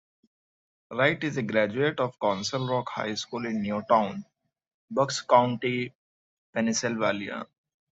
Wright is a graduate of Council Rock High School in Newtown, Bucks County, Pennsylvania.